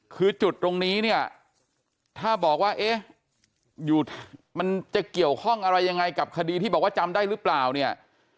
คือจุดตรงนี้เนี่ยถ้าบอกว่าเอ๊ะอยู่มันจะเกี่ยวข้องอะไรยังไงกับคดีที่บอกว่าจำได้หรือเปล่าเนี่ย